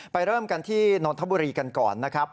เริ่มกันที่นนทบุรีกันก่อนนะครับ